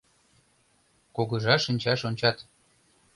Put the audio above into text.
Кугыжа шинчаш ончат.